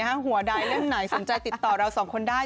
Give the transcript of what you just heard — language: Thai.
หน้าหัวใดยังไหนสนใจติดต่อเราสองคนได้